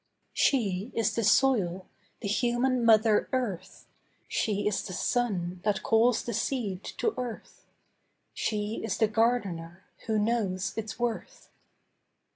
'She is the soil: the human Mother Earth: She is the sun, that calls the seed to earth. She is the gardener, who knows its worth.